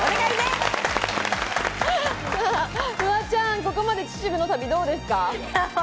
フワちゃん、ここまで秩父の旅どうですか？